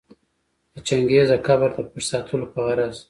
د چنګیز د قبر د پټ ساتلو په غرض